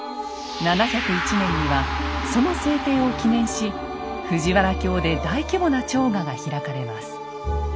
７０１年にはその制定を記念し藤原京で大規模な朝賀が開かれます。